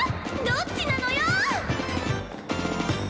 どっちなのよ！